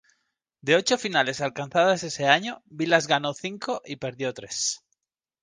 De ocho finales alcanzadas ese año, Vilas ganó cinco y perdió tres.